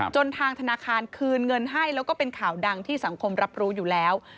ทางธนาคารคืนเงินให้แล้วก็เป็นข่าวดังที่สังคมรับรู้อยู่แล้ว